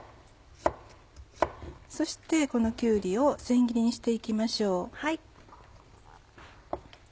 そしてこのきゅうりを千切りにして行きましょう。